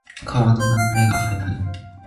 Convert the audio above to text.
川の流れが速い。